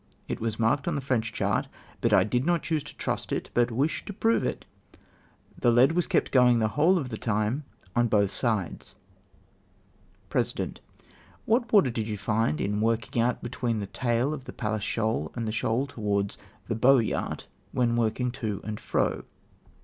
It Avas marked on the French chart, but I did not choose to trust it, but wished to prove it. The lead was kept going the whole of the time on both sides." President. —" What water did you find in working out between the tail of the Pallas Shoal and the shoal towards the Boyart, when Avorking to and fi'O